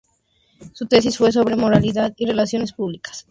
Su tesis fue sobre Moralidad y Relaciones Públicas.